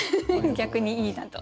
逆にいいなと。